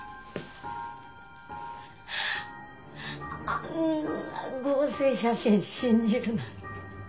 あんな合成写真信じるなんて。